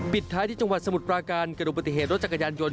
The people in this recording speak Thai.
ท้ายที่จังหวัดสมุทรปราการเกิดอุบัติเหตุรถจักรยานยนต